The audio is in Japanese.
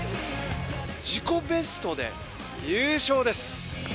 自己ベストで優勝です。